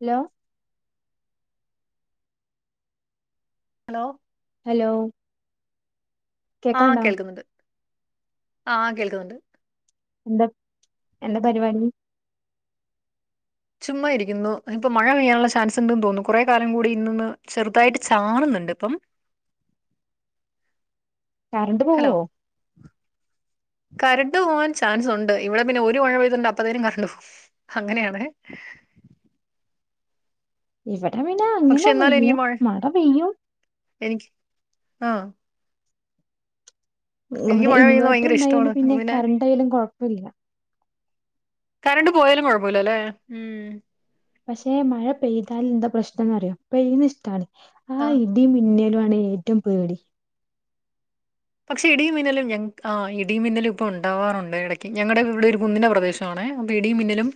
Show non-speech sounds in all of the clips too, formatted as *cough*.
Hello hello hello ആഹ് കേക്കാണ്ടാ കേൾക്കുന്നുണ്ട് ആഹ് കേൾക്കുന്നുണ്ട് എന്താ എന്താ പരിപാടി ചുമ്മാ ഇരിക്കുന്നു ഇപ്പൊ മഴ പെയ്യാനുള്ള ചാൻസ് ഉണ്ട്ന്ന് തോന്നുന്നു കുറെ കാലം കൂടി ഇന്ന്ഒന്ന് ചെറുതായിട്ട് ചാറുന്നുണ്ട് ഇപ്പം കറണ്ട് ഹലോ പോവോ കരണ്ട് പോവാൻ ചാൻസ് ഉണ്ട് ഇവിടെ പിന്നെ ഒരു മഴ പെയ്തിണ്ട് അപ്പഴത്തേനും കരണ്ട് പോകും അങ്ങനെയാണ് ഇവടെ വിന്നാ പക്ഷെ എന്നാലും അങ്ങനെയൊന്നുല്ല എനിക്ക് മഴ മട പെയ്യും എനിക്ക് ആഹ് ഏ എനിക്ക് വടെ മഴ പെയ്യുന്നത് ഇൻവേർട്ടർ ഭയങ്കര ണ്ടായൊണ്ട് ഇഷ്ടമാണ് പിന്നെ കറണ്ടൊ യാലും കൊഴപ്പല്ല്യ കരണ്ട് പോയാലും കൊഴപ്പില്ലല്ലേ? ഊം പഷേ മഴ പെയ്താല്ന്താ പ്രശ്നംന്നറിയോ പെയ്യുന്നിഷ്ടാണ് ആ ആഹ് ഇ ടീം മിന്നലു ആണ് ഏറ്റം പേടി പക്ഷെ ഇടിയുംമിന്നലും ഞങക് ആഹ് ഇടിയും മിന്നലും പ്പൊ ണ്ടാവാറുണ്ട് എടയ്ക്ക് ഞങ്ങടെ വീട് ഒരു കുന്നിന്റെ പ്രദേശ് ത്താണേ അപ്പിടിയും മിന്നലും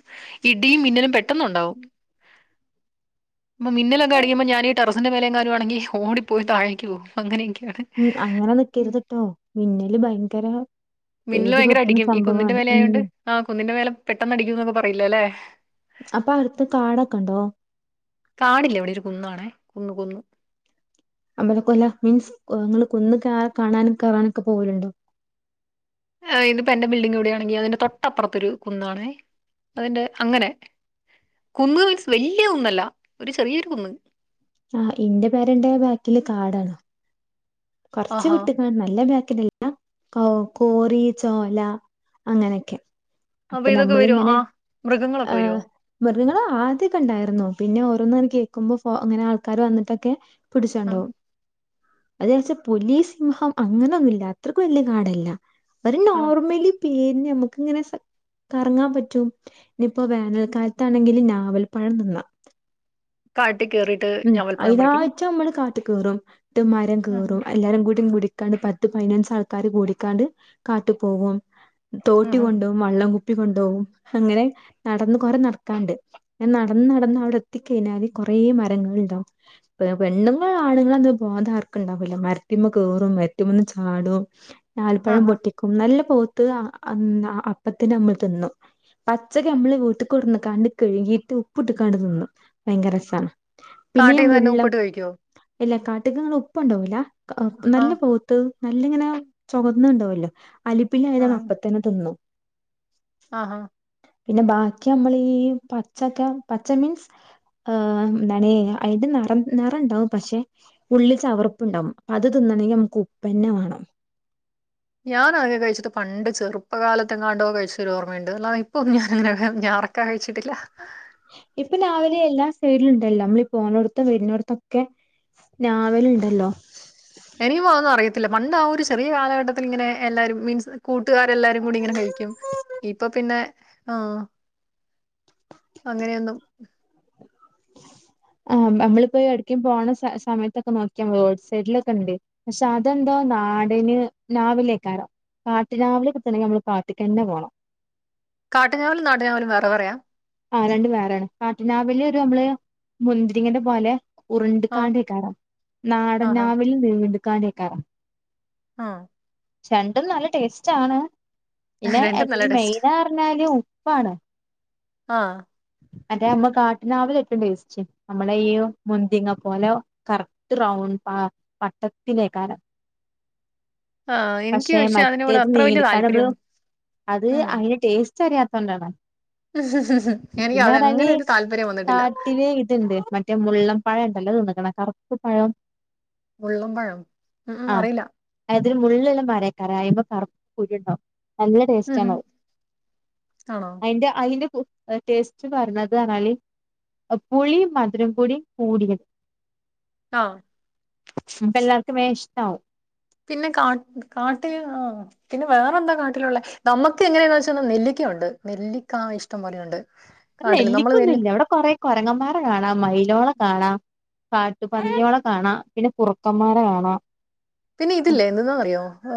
ഇടിയും മിന്നലും പെട്ടെന്നുണ്ടാവും *inaudible* മ്മ മിന്നലാെക്കെയടിക്കുമ്പോ ഞാനീ ടെറസിന്റെ മേലെയെങ്ങാനു ആണെങ്കി ഓടി പോയി താഴേക്കു പോവു അങ്ങനെയൊക്കെയാണ് ഉം അങ്ങനെ നിക്കരുത്ട്ടോ മിന്നല് ഭയങ്കര മിന്നല് പേടി ഭയങ്കര പെട്ടുന്ന അടിക്കും ഈ കുന്നിന്റെ സംഭവമാണ് ഉം മേലെയായോണ്ട് ആ കുന്നിന്റെ മേല പെട്ടെന്നടിക്കുന്നൊക്ക പറീല്ലല്ലേ? അപ്പടുത്ത് കാടൊക്കെണ്ടോ? കാടില്ലിവിടെയൊരു കുന്നാണേ കുന്ന് കുന്ന് അമ്പല കൊല്ല മീൻസ് കൊ ങ്ങള് കുന്ന് കാ കാണാനും കേറാനൊക്കെ പോവല്ണ്ടോ? ഏ ഇതിപ്പോ എന്റബിൽഡിംഗിവിടെയാണെങ്കി അതിന്റെ തൊട്ടപ്പുറത്തൊരു കുന്നാണേ അതെന്റെ അങ്ങനെ കുന്ന് വിൻസ് വല്ല്യ കുന്നല്ല ഒരു ചെറിയൊരു കുന്ന് ആഹ് ഇന്റെ പെരന്റെ ബേക്കില് കാടാണ് കൊർച്ച് ആഹാ വിട്ട്ക്കാണ് നല്ല ബേക്കിത് എ കൗ കോറി ചോല അങ്ങനൊക്കെ അപ്പ അപ്പൊ ഇതൊക്കെ വരുവോ ഞമ്മളിങ്ങനെ ആ മൃഗങ്ങളൊക്കെ ആഹ് വരുവോ മൃഗങ്ങള് ആദ്യൊക്കെണ്ടായിരുന്നു പിന്നെ ഓരോന്നത് കേക്കുമ്പൊ ഫൊ അങ്ങനെ ആൾക്കാര് വന്ന്ട്ടൊക്കെ ആ പിടിച്ചോണ്ടോവും അത്ചാരിച്ച് പുലി, സിംഹം അങ്ങനെയൊന്നുല്ല അത്രക്ക് വല്ല്യ കാടല്ല ഒര് ആ നോർമലി പീൻ ഞമ്മക്കിങ്ങനെ സ കറങ്ങാം പറ്റും നിപ്പോ വേനൽക്കാലത്താണെങ്കില് ഞാവൽ പഴം തിന്നാ കാട്ടി കേറി ഉം അയിനാട്ടമ്മള് കാട്ട് കേറും. ട്ട് മരം ആഹാ കേറും. എല്ലാരും കൂടി വിടിക്കാണ്ട് പത്ത് പയിനഞ്ചാൾക്കാര് കൂടിക്കാണ്ട് കാട്ട് പോകും തോട്ടി ആഹാ കൊണ്ടോവും വള്ളം കുപ്പി കൊണ്ടോവും ഹങ്ങനെ നടന്ന് കൊറെ നടക്കാണ്ട് ങ്ങൻ നടന്ന് നടന്നവിടെ ത്തിക്കെയ്ഞ്ഞാല് കൊറേ മരങ്ങള്ണ്ടാവും പെ പെണ്ണ്ങ്ങളാണുങ്ങൾന്ന് ബോധാർക്കുണ്ടാവൂല്ല മരത്തിമ്മ കേറും മരത്തിമ്മന്ന് ചാടു ഞാലിപ്പഴം ആഹാ പൊട്ടിക്കും നല്ല പൊഅത്ത അ അന്ന അപ്പത്തന്നമ്മള് തിന്നും പച്ചക്കമ്മള് വീട്ട്കൊടന്ന്കാണ്ട് കഴുകീറ്റ് ഉപ്പിട്ട്കാണ്ട് തിന്നു ഭയങ്കരസാണ് പിന്നെയ കാട്ടീന്ന് തന്നെ മുള്ളം ഉപ്പിട്ട് കഴിക്കോ എല്ല കാട്ടുക്കങ്ങള് ഉപ്പൊണ്ടോവൂല കഅ ആ നല്ല പൊ ത്ത് നല്ലിങ്ങനെ ചൊവന്ന ണ്ടാവല്ലോ അലിപ്പില്ലയതാണ പ്പത്തന്നെ തിന്നു ആ ആഹ് പിന്നെ ബാക്കിയമ്മളീ പച്ചക്ക പച്ച മീൻസ് ഏ ന്നണേ അയിന്റെ നെറം നെറണ്ടാവും പഷേ ഉള്ളി ചവർപ്പ്ണ്ടാവും അത് തിന്നണെങ്കിയമ്മക്ക് ഉപ്പന്നെ വാണം ഞാനാകെ കഴിച്ചത് പണ്ട് ചെറുപ്പ കാലത്തെങ്ങാണ്ടോ കഴിച്ചൊരോർമ്മയുണ്ട് അല്ലാതെ ഇപ്പൊന്നു ഞാനങ്ങനെ *unintelligible* കഴിച്ചിട്ടില്ല ഇപ്പം ഞാവലെ എല്ലാ സൈഡിലിണ്ടല്ലോ അമ്മളീ പോന്നോട്ത്തും വരുന്നോട്ത്തൊക്കെ ഞാവല്ണ്ടല്ലോ എനിക്കിപോ അഒന്നുഅറിയത്തില്ല പണ്ട് ആ ഒരു ചെറിയ കാലഘട്ടത്തിലിങ്ങനെ എല്ലാരും മീൻസ് കൂട്ടുകാരെല്ലാരും കൂടിയിങ്ങനെ കഴിക്കും ഇപ്പൊ പിന്നെ ആഹ് അങ്ങനെയൊന്നും *inaudible* ആ മ്മ അമ്മളിപ്പോ ഏട്കേ പോണ സ സമയത്തൊക്കെ നോക്കിയാ റോഡ്സൈഡിലൊക്കെണ്ട് പഷേ അതെന്തോ നാടന് ഞാവിലേക്കാരോ കാട്ട് ഞാവല് കിട്ടണെങ്കിയമ്മള് കാട്ട്ക്കന്നെ പോണം കാട്ട് ഞാവലും നാട്ടു ഞാവലും വേറ വേറെയാ? ആ രണ്ടും വേറെയാണ് കാട്ട് ഞാവല് ഒരു ഞമ്മള് മുന്തിരിങ്ങന്റെ പോലെ ആഹ് ഉര്ണ്ട്ക്കാണ്ടിക്കറാം ആഹാ നാടൻഞ്ഞാവല് നീണ്ട്ക്കാണ്ട് ആയ്ക്കാരം ആഹ് രണ്ടും നല്ല ടേസ്റ്റ് ആണ് പിന്നെ രണ്ടും നല്ല ഈ ടേസ്റ്റാ. മെയിന പറഞ്ഞാല് ഉപ്പാണ് ആഹ് അതെ ഞമ്മ കാട്ടിഞാവലാ ഏറ്റവും ടെസ്റ്റ് നമ്മള ഈ മുന്തിങ്ങ പോലെ കറക്റ്റ് റൗണ്ട് പ വട്ടത്തിലേയ്ക്കാരം ആഹ് എനിക്ക് പക്ഷെ അതിനോട് മറ്റേത് അത്ര വലിയ നീണ്ട്ക്കാണ്ട് താല്പര്യം അത് ഉം അതിന്റെ ടേസ്റ്റ് അറിയാത്തോണ്ടാണ് എനിക്ക് പിന്നെ പറഞാല് അതങ്ങനെ ഒരു താല്പര്യം വന്നിട്ടില്ല. കാട്ടില് ഇതുണ്ട് മറ്റേ മറ്റ മുള്ളൻ പഴം ഉണ്ടല്ലോ അത് തിന്ന് ക്കണേ കറുപ്പ് പഴം മുള്ളൻ പഴം ഉം അറിയില്ല അതായത് മുള്ള് ഉള്ള മരം ആയ്ക്കാരം ആയ്മെ കറപ്പ് കുരു ഉണ്ടാകും നല്ല ഉം ടേസ്റ്റ ആണ് ഉം അത് ആണോ? അയിന്റെ അയിന്റെ കു ടേസ്റ്റ് പറഞ്ഞത്ണല് പുളി മധുരം കുടി കൂടിയത് ആഹ് വേ ഇഷ്ടാവവും പിന്നെ കാ കാട്ടിൽ ആ പിന്നെ വേറെ എന്താ കാട്ടിലുള്ള നമുക്ക് എങ്ങനെയ വെച്ചാ നെല്ലിക്കയുണ്ട് നെല്ലിക്ക ഇഷ്ടം പോലെയുണ്ട് കാട്ടില് നമ്മള് നെല്ലിക്കൊന്നും നെല്ലി ഇല്ല ഇവിടെ കൊറെ കുരങ്ങന്മാര കാണാം മൈലോളെ കാണാം കാട്ടുപന്നികളെ കാണാം പിന്നെ കുറുക്കന്മാരെ കാണാം പിന്നെ ഇതില്ലേ എന്തെന്നാ അറിയോ ആ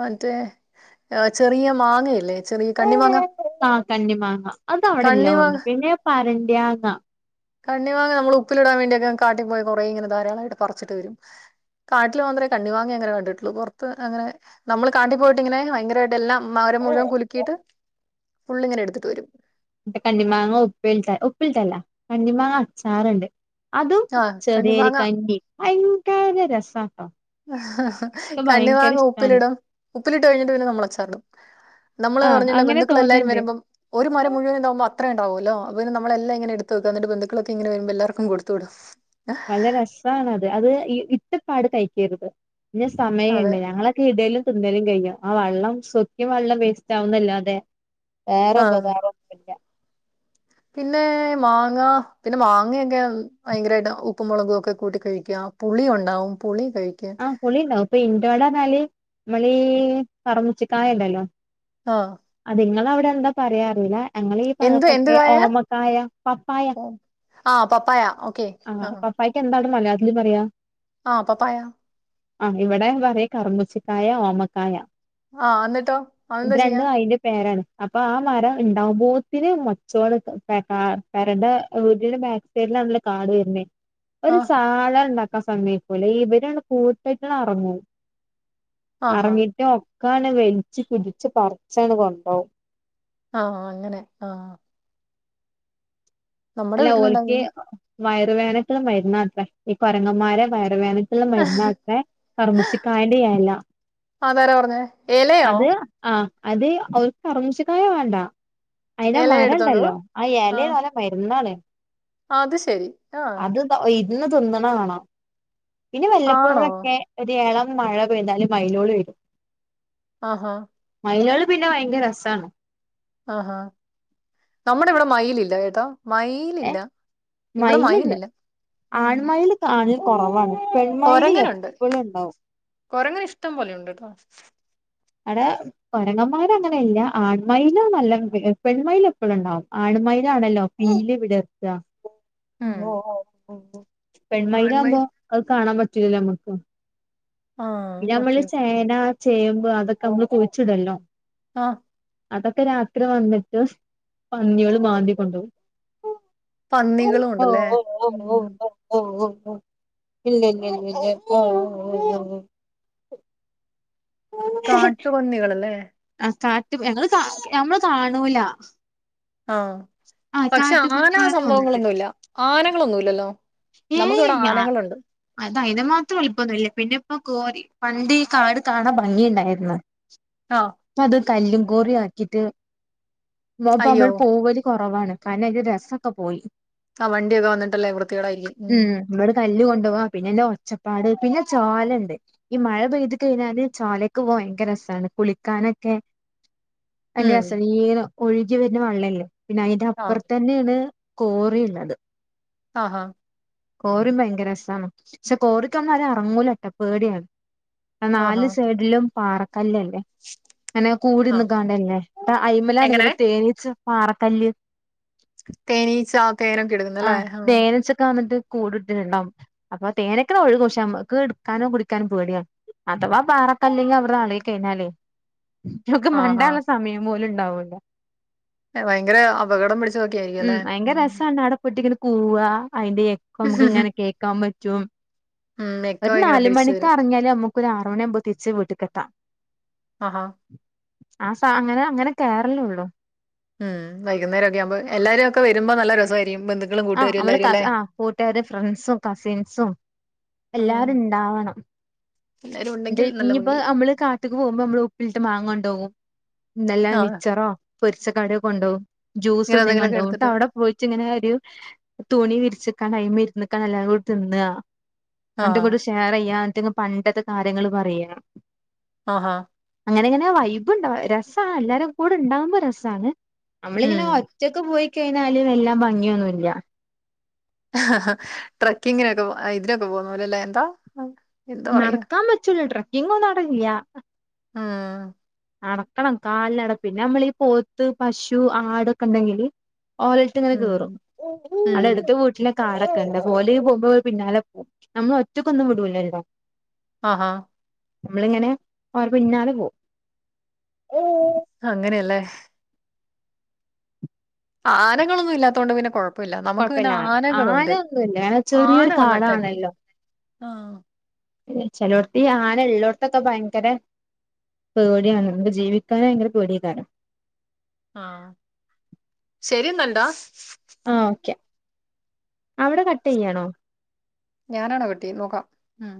മറ്റേ ചെറിയ മാങ്ങയല്ലേ ചെറിയ കണ്ണി മാങ്ങ കന്നി മാങ്ങ അത അവിടെ ഇല്ല തേനുന്നു പിന്നെ പരണ്ടിയാങ്ങ കണിമാങ്ങാ നമ്മൾ ഉപ്പിലിടാൻ വേണ്ടിയൊെ കാട്ടിൽ പോയി കുറേ ഇങ്ങനെ ധാരാളമായിട്ട് പറിച്ചിട്ട് വരും കാട്ടിൽ മാത്രമേ കണിമാങ്ങാ അങ്ങനെ കണ്ടിട്ടുള്ളു പുറത്ത് അങ്ങന നമ്മള് കാട്ടിൽ പോയിട്ട് ഇങ്ങനെ ഭയങ്കരമായിട്ട് എല്ലാം മരം മുഴുവൻ കുലുക്കിയിട്ട് ഫുള്ള് ഇങ്ങനെ എടുത്തിട്ട് വരും കണ്ടിമാങ്ങ ഉപ്പിട്ട ഉപ്പിട്ടല്ല കണിമാങ്ങ അച്ചാറുണ്ട് അതും ആഹ് ചെറിയൊരു കണ്ണിമാങ്ങ കഞ്ഞി ഭയങ്കരം രസട്ടോ കണിമാങ്ങാ ഇഷ്ടാണ് ഉപ്പിലിടും ഉപ്പിലിട്ട് കഴിഞ്ഞിട്ട് പിന്നെ നമ്മള അച്ചാറിടും നമ്മള് ആ പറഞ്ഞ അങ്ങനെ ബന്ധുക്കൾ എല്ലാരും തോന്ന്ണ്ട് വരുമ്പം ഒരു മരം മുഴുവനും ഉണ്ടാവുമ്പോ അത്ര ഉണ്ടാവുമല്ലോ അപ്പം പിന്ന നമ്മളല്ലാം എടുത്ത് വെക്ക എന്നിട്ട് ബന്ധുക്കൾ ഒക്കെ ഇങ്ങനെ വരുമ്പോൾ എല്ലർക്കും കെടുത്ത് വിടും നല്ല രെസണത് അത് ഇറ്റപ്പാട് കഴിക്കരുത് പിന്നെ അതെ സമയമുണ്ട് ഞങ്ങള ഇടേലും തിന്നേലും കഴിയും ആ വെള്ളം സുർക്കും വെള്ളം വേസ്റ്റ് ആവുന്ന് അല്ലാതെ വേറെ ആഹ് *unintelligible* പിന്നെ മാങ്ങ പിന്നെ മാങ്ങയൊക്കെ ഭയങ്കരമായിട്ട് ഉപ്പും മുളകും ഒക്കെ കൂട്ടി കഴിക്കാം പുളി ഒണ്ടാവും പുളി കഴിക്ക ആഹ പൊളി ഉണ്ടാവും ഇന്റെടെ പറഞ്ഞാല് നമ്മളീ പറുക്കുച്ചി കായണ്ടല്ലോ ആഹ് അത് ഇങ്ങളെ അവിടെ എന്താ പറയാറില്ല ഞങ്ങീളി. ഈ എന്ത് എന്ത് ഭാഗത്തൊക്കെ കായ ഓമക്കായ പപ്പായ ആ പപ്പായ ഓക്കെ ആ ആഹ് പപ്പായയ്ക്ക് എന്താണ് മലയാളത്തില് പറയാ ആ പപ്പായ ആ ഇവിടെ പറയും കറുമൂസ കായ ഓമക്കായ ആഹ് എന്നിട്ടോ ഇത് അതെന്താ ചെയ്യാ രണ്ടും അതിന്റെ പേരാണ് അപ്പൊ ആ മരം ഉണ്ടാവകുമ്പോത്തിന് മെച്ചോള് പേരടെ *unintelligible* രിലാണ കാട് വരുന്നേ ഒരു ആഹ് സാദനം ഉണ്ടാക്കാൻ സമയ്ക്കൂലാ ഇവരാണ് കൂട്ടം ആയിട്ട് ഇറങ്ങും ആഹാ ഇറങ്ങിട്ട് ക്കാണ് വലിച്ചച്ച് കുടിച്ച് പറച്ചാണ് കൊണ്ടോവും ആഹ് അങ്ങനെ ആഹ് നമ്മുടെ അല്ല ഓല്ക്കെ വീട്ടിലുണ്ടായിരുന്നു ആഹ് വയറ് വേനക്കും മെര്ന്നാത്രെ ഈ കൊരങ്ങന്മാരെ വയറ് വേന ക്ക്ള്ള മരുന്നാത്രെ കർമൂസിക്കായന്റെയെലാ അതരാ പറ്ഞ്ഞേ അത് ആഹ് അത് ഓല് കർമൂസക്കായ വാണ്ട അയിന്റെ എല എടുത്തോണ്ട് പോവും മരണ്ടല്ലോ ആയെലെ ആഹ് ഓലെ മെര്ന്നാണ് അത് ശരി ആഹ് *unintelligible* ഇര്ന്ന് തിന്ന്ണെ കാണാ പിന്നെ ആണോ? വെല്ലപ്പോഴൊക്കെ ഒര് എളം മഴ പെയ്താല് മയിലോള് വെരും ആഹ് ഹാ മയിലാള് പിന്നെ ഭയങ്കര രസ്സാണ് ആഹ് ഹാ നമ്മടെ ഇവടെ മയിലില്ല കേട്ടോ ഏ മയിലില്ല ഇവടെ മയിലില്ല ഉം കാണ്ല് കൊറവാണ് കൊരങ്ങനുണ്ട് കൊരങ്ങന് ഇഷ്ടം പോലെയുണ്ട്ട്ടോ ആടെ കൊരങ്ങന്മാര് അങ്ങനെയില്ല ആൺമയിലോ നല്ലം വെ എ പെൺമയില് എപ്പഴുണ്ടാവും ആൺമയിലാണല്ലോ പീലി വിടർത്താ ഉം. പെൺമയില് ആൺമയിൽ ആവുമ്പോ അഹ് കാണാൻ പറ്റൂല്ലല്ലോ ഞമ്മക്ക് ആ പിന്നെ ഞമ്മള് ഓക്കെ. ചേന, ചേമ്പ് അതൊക്കെ അമ്മള് കുഴിച്ച്ടൊല്ലോ ആഹ് അതൊക്കെ രാത്രി വന്ന്ട്ട് പന്നിയള് മാന്തി കൊണ്ടോവും പന്നികളും ഉണ്ടല്ലേ ഉം ! ! ! ! ! ! ! ! ! ! കാട്ട് പന്നികളല്ലേ ആഹ് കാട്ട് ഞങ്ങള് കാ ഞമ്മള് കാണൂല ആഹ് ആ പക്ഷേ ആന കാട്ടുപന്നികളന്നെ വന്നിണ്ട് സംഭവങ്ങളൊന്നുവില്ല ആനകളൊന്നുവില്ലല്ലോ ഏഹ് ഞാൻ അത അയിന് മാത്രം വെല്പ്പൊന്നും ഇല്ല പിന്നെ ഇപ്പ കോരി പണ്ട് ഈ കാട് കാണാ ഭംഗി ഇണ്ടാര്ന്ന് ! ! ! ! ! ! ! ! ! ! ആഹ് ഇപ്പ അത് കല്ലും കോറിയാക്കിട്ട് അയ്യോ! *unintelligible* പോവല് കൊറവാണ് കാരണം അയിന്റെ രസൊക്ക പോയി ആഹ് വണ്ടിയൊക്കെ വന്നിട്ടല്ലേ വൃത്തികേടായിരിക്ക്യും ഉം മ്മട് കല്ല് കൊണ്ടോവാ പിന്നെയെന്നാ ഒച്ചപ്പാട് പിന്നെ ചോലണ്ട് ഈ മഴ പെയ്ത് കഴിഞ്ഞാല് ചോലക്കെ ഭയങ്കര രസാണ് കുളിക്കാനൊക്കെ ഭയങ്കര ഉം. രസാണ് *unintelligible* ഒഴുകി വെര്ന്ന വള്ളല്ലേ പിന്നെ അയിന്റെ ആ. അപ്പറ്ത്തന്നേണ് കോറി ഇള്ളത് ആഹ് ഹാ കോറിം ഭയങ്കര രസാണ് പക്ഷേ കോറിക്കമ്മാരും അറങ്ങൂലട്ടോ പേടിയാണ് ആഹ് ആഹാ. നാല് സൈഡ്ലും പാറക്കല്ലല്ലേ ഇങ്ങനെ ആ കൂടിന്ന്ക്കാണ്ടല്ലേ ഇപ്പ എങ്ങനെ? അയിമ്മലാണെങ്കിലോ തേനിച്ച പാറക്കല്ല് തേനീച്ചാ *unintelligible* ഉം തേനീച്ചക്കാ വന്ന്ട്ട് കൂട് ഇട്ട്ണ്ടാവും അപ്പൊ തേനൊക്കെനെ ഒഴുകും പക്ഷേ ഞമ്മക്ക് ഇട്ക്കാനോ കുടിക്കാനും പേടിയാ അഥവാ പാറക്കല്ലെങ്ങി അവട്ന്ന് അളകി കഴിഞ്ഞാലെ ഇന്ക്കൊക്ക മണ്ടാ ആഹാ. ഇള്ളെ സമയം പോലുണ്ടാവൂല്ല ഏഹ് ഭയങ്കരെ അപകടം പിടിച്ചതൊക്കെ ആയിരിക്ക്യല്ലെ കൊട്ടിങ്ങനെ കൂവാ അയിന്റെ എക്കോ ഞമ്മക്ക്ങ്ങനെ കേക്കാൻ പറ്റും ഉം. ഇക്ക ഒരു ഭയങ്കര നാല് തിരിച്ചു വരും. മണിക്കറങ്ങിയാല് അമ്മക്കൊര് ആറ് മണിയാവുമ്പോ തിരിച്ച് വീട്ട്ക്കെത്താ ആഹ് ഹാ ആഹ് സ അങ്ങനെ അങ്ങനെ കേറലൊള്ളു ഉം വൈകുന്നേരം ഒക്കെ ആകുമ്പോ എല്ലാരും ഒക്കെ വരുമ്പോ നല്ല രസമായിരിക്കും ബന്ധുക് ആഹ് അവള ക ആഹ് കൂട്ടുകാരും ഫ്രണ്ട്സും കസിൻസും ഉം. എല്ലാരും ണ്ടാവണം എല്ലാരും ത് ഉണ്ടെങ്കിൽ നല്ല ഇനിയിപ്പ ഭംഗിയായിരിക്കും. മ്മള് കാ ഇത്തക്ക് പോകുമ്പോ നമ്മള് ഉപ്പിലിട്ട മാങ്ങാണ്ടൊക്കും ഇന്തെല്ലാം ആഹ്. മിച്ചറോ പൊരിച്ച കടയൊക്കൊണ്ടോകും ജ്യൂസ് ഇങ്ങനെ എന്തെകീം എന്തെങ്കിലുമൊക്കെ കൊണ്ടോവും എടുത്തിട്ട് ട്ടാഅവിടെ പോയിട്ടിങ്ങനെ ഒരു തുണി വിരിച്ച്ക്കാണ്ട് അയിമ്മെ ഇരുന്നക്കന്നല്ലാതെ ഓള് തിന്നാ ആഹ്. പണ്ട്ങ്ങിട്ടു ഷെയറ്യ്യാ ഇറ്റുങ്ങ പണ്ടത്തെ കാര്യങ്ങള് പറയാ അഹ് ആഹ് അങ്ങനെ ഇങ്ങനെ വൈബ്ണ്ട രസആ എല്ലാരും കൂടെ ഉണ്ടാവുമ്പോ രസാണ് ഉം. നമ്മളിങ്ങനെ ഒറ്റക്ക് പോയി കഴിഞ്ഞാല് എല്ലാം ഭംഗിയൊന്നുല്ല ആഹ് ട്രക്കിങ്ങിനൊക്കെ പോ ഇതിനോക്കെ പോന്ന പോലെ ല്ലേ എന്താ എന്താ പറയാ? നടക്കാ പറ്റൂല്ല ട്രക്കിങ്ങൊന്നും അവെടെയില്ല ആഹ് നടക്കണം കാൽനട പിന്നെ അമ്മളീ ഈ പോത്ത് പശു ആടൊക്കെണ്ടെങ്കില് ഓലേ റ്റ്ങ്ങനെ ഉം. കിറും ഉം. അടെ അടുത്ത വീട്ടിലെ കാടൊക്കെ ണ്ട് പ്പോല് പോക്മ്പോ പിന്നാലെ പോകും നമ്മളൊറ്റയ്ക്കൊന്നും വിടൂലല്ലോ ആഹാ മ്മളിങ്ങനെ ഓര് പിന്നാലെ പോകും *inaudible* ഓ അങ്ങനെയല്ലേ ആനകളെന്നും ഇല്ലാത്തതൊണ്ട് പിന്നെ കൊഴ പ്പില്ല നമുക്ക് പിന്നെ കൊഴപ്പല്ല ആനകളുണ്ട് ആനൊന്നുല്ല അങ്ങനെ ആന ചെറിയൊരു വന്നറ്റാക്ക് ചെയ്യും കാടാണല്ലോ ആഹ് ചെലോർത്തി ആന ഉള്ളോട്ത്ത്ക്കെ ഭയങ്കര പേടിയാണ് നമുക്ക് ജീവിക്കാൻ ഭയങ്കര പേടിയെക്കാരം ആഹ് ശരിയുന്നണ്ടോ ആഹ് ഓക്കെ അവിടെ കട്ട് ചെയ്യാണോ ഞാനാണോ കട്ട് ചെയ്യ് നോക്കാം ഉം